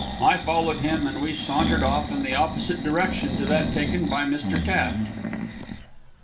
I followed him, and we sauntered off in the opposite direction to that taken by Mr. Taft.